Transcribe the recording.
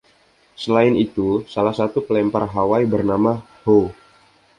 Selain itu, salah satu pelempar Hawaii bernama Ho.